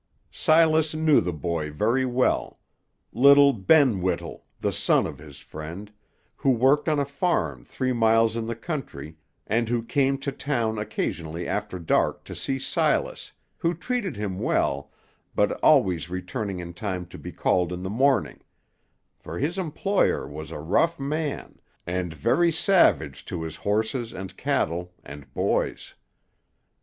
Silas knew the boy very well; little Ben Whittle, the son of his friend, who worked on a farm three miles in the country, and who came to town occasionally after dark to see Silas, who treated him well, but always returning in time to be called in the morning; for his employer was a rough man, and very savage to his horses and cattle and boys.